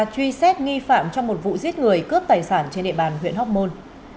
truy xét nghi phạm trong một vụ giết người cướp tài sản trên địa bàn huyện hóc môn